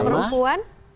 kalau untuk perempuan